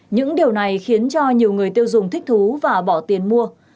những điều này khiến cho nhiều người tiêu dùng thích thú và bỏ tiền mua